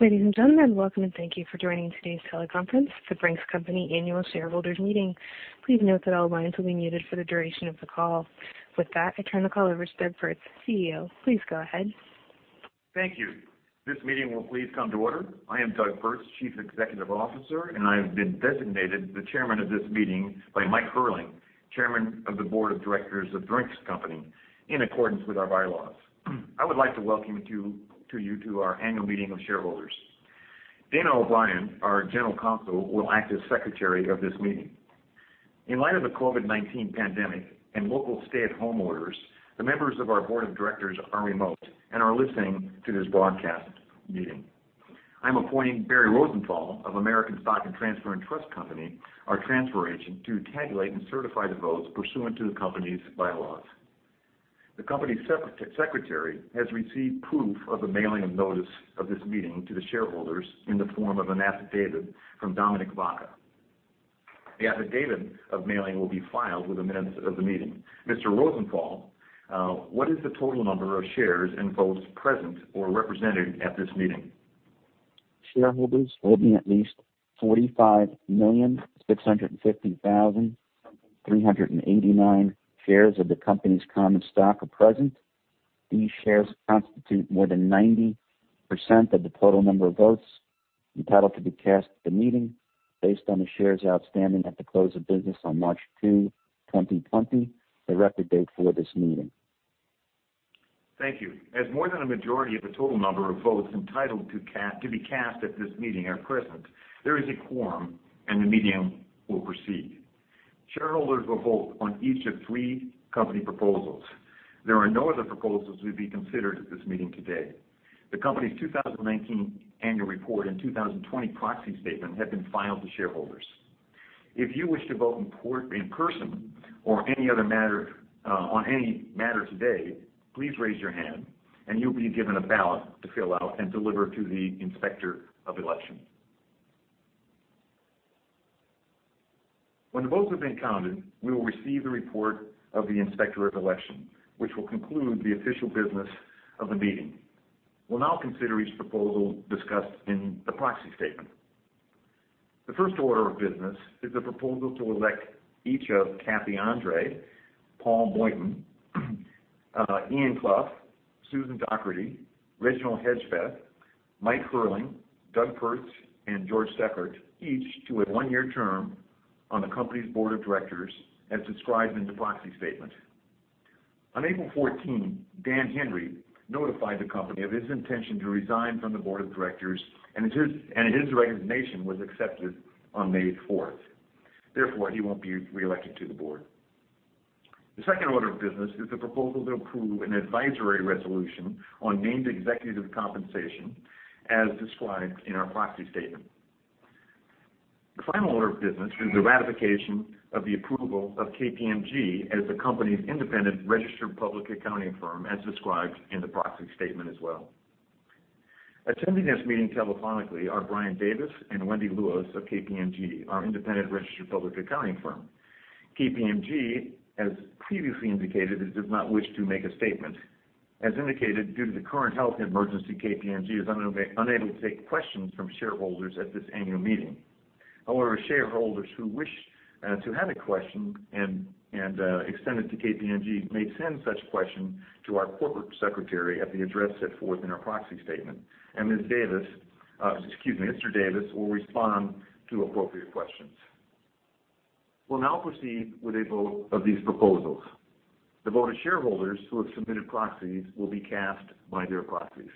Ladies and gentlemen, welcome and thank you for joining today's teleconference for The Brink's Company Annual Shareholders Meeting. Please note that all lines will be muted for the duration of the call. With that, I turn the call over to Doug Pertz, CEO. Please go ahead. Thank you. This meeting will please come to order. I am Doug Pertz, Chief Executive Officer, and I have been designated the Chairman of this meeting by Mike Herling, Chairman of the Board of Directors of The Brink's Company, in accordance with our bylaws. I would like to welcome you to our annual meeting of shareholders. Dana O'Brien, our General Counsel, will act as Secretary of this meeting. In light of the COVID-19 pandemic and local stay-at-home orders, the members of our board of directors are remote and are listening to this broadcast meeting. I'm appointing Barry Rosenthal of American Stock Transfer & Trust Company, our transfer agent, to tabulate and certify the votes pursuant to the company's bylaws. The company secretary has received proof of the mailing of notice of this meeting to the shareholders in the form of an affidavit from Dominic Vaca. The affidavit of mailing will be filed with the minutes of the meeting. Mr. Rosenthal, what is the total number of shares and votes present or represented at this meeting? Shareholders holding at least 45,650,389 shares of the company's common stock are present. These shares constitute more than 90% of the total number of votes entitled to be cast at the meeting based on the shares outstanding at the close of business on March 2, 2020, the record date for this meeting. Thank you. As more than a majority of the total number of votes entitled to be cast at this meeting are present, there is a quorum, and the meeting will proceed. Shareholders will vote on each of three company proposals. There are no other proposals to be considered at this meeting today. The company's 2019 annual report and 2020 proxy statement have been filed to shareholders. If you wish to vote in person on any matter today, please raise your hand, and you'll be given a ballot to fill out and deliver to the Inspector of Election. When the votes have been counted, we will receive the report of the Inspector of Election, which will conclude the official business of the meeting. We'll now consider each proposal discussed in the proxy statement. The first order of business is a proposal to elect each of Kathie Andrade, Paul Boynton, Ian Clough, Susan Docherty, Reginald Hedgebeth, Mike Herling, Doug Pertz, and George Stoeckert, each to a one-year term on the company's board of directors as described in the proxy statement. On April 14, Dan Henry notified the company of his intention to resign from the board of directors, and his resignation was accepted on May 4th. He won't be reelected to the board. The second order of business is the proposal to approve an advisory resolution on named executive compensation as described in our proxy statement. The final order of business is the ratification of the approval of KPMG as the company's independent registered public accounting firm as described in the proxy statement as well. Attending this meeting telephonically are Brian Davis and Wendy Lewis of KPMG, our independent registered public accounting firm. KPMG, as previously indicated, does not wish to make a statement. As indicated, due to the current health emergency, KPMG is unable to take questions from shareholders at this annual meeting. Shareholders who wish to have a question and extend it to KPMG may send such question to our corporate secretary at the address set forth in our proxy statement, and Mr. Davis will respond to appropriate questions. We'll now proceed with a vote of these proposals. The voter shareholders who have submitted proxies will be cast by their proxies.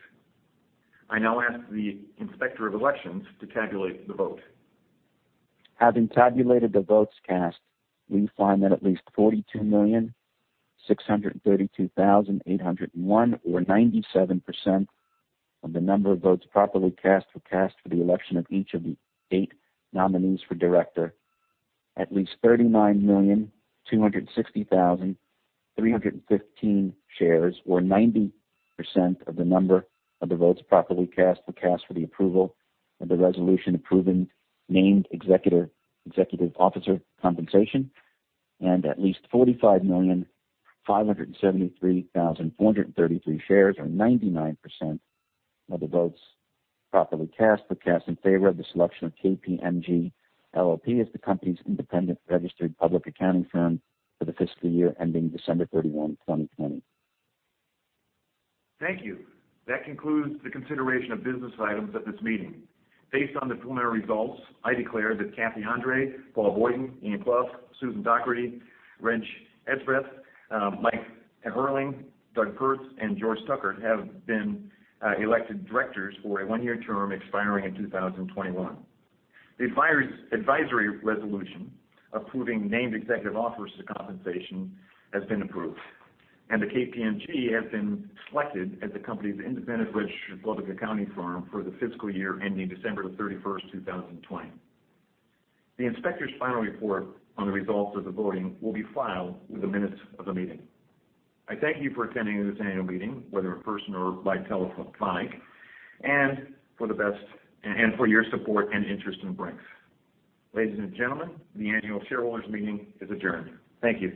I now ask the Inspector of Elections to tabulate the vote. Having tabulated the votes cast, we find that at least 42,632,801, or 97% of the number of votes properly cast, were cast for the election of each of the eight nominees for director. At least 39,260,315 shares, or 90% of the number of the votes properly cast, were cast for the approval of the resolution approving named executive officer compensation. At least 45,573,433 shares, or 99% of the votes properly cast, were cast in favor of the selection of KPMG LLP as the company's independent registered public accounting firm for the fiscal year ending December 31, 2020. Thank you. That concludes the consideration of business items at this meeting. Based on the preliminary results, I declare that Kathie Andrade, Paul Boynton, Ian Clough, Susan Docherty, Reg Hedgebeth, Mike Herling, Doug Pertz, and George Stoeckert have been elected directors for a one-year term expiring in 2021. The advisory resolution approving named executive officers' compensation has been approved, and KPMG has been selected as the company's independent registered public accounting firm for the fiscal year ending December the 31st, 2020. The inspector's final report on the results of the voting will be filed with the minutes of the meeting. I thank you for attending this annual meeting, whether in person or by telephonic, and for your support and interest in Brink's. Ladies and gentlemen, the annual shareholders meeting is adjourned. Thank you.